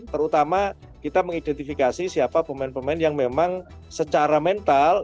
terutama kita mengidentifikasi siapa pemain pemain yang memang secara mental